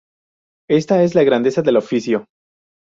Esta es la grandeza del oficio".